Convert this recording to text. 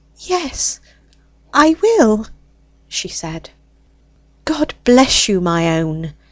"Yes, I will," she said. "God bless you, my own!"